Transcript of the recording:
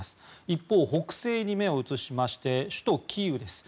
一方、北西に目を移しまして首都キーウです。